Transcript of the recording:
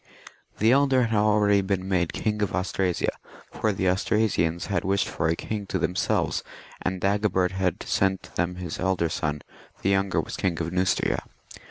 The elder had already been made King of Austrasia, for the Austrasians had wished for a king to themselves, and Dagobert had sent them his elder son ;• the younger was King of Neustria.